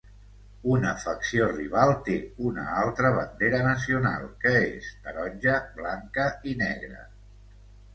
Una facció rival té una altra bandera nacional que és taronja, blanca i negre.